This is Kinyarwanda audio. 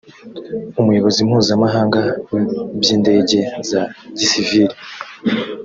umuyobozi mpuzamahanga w’iby’indege za gisivili